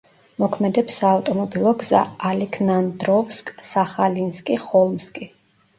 მოქმედებს საავტომობილო გზა ალექნანდროვსკ-სახალინსკი—ხოლმსკი.